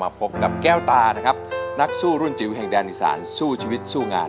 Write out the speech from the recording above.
พบกับแก้วตานะครับนักสู้รุ่นจิ๋วแห่งแดนอีสานสู้ชีวิตสู้งาน